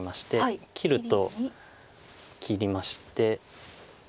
切ると切りまして。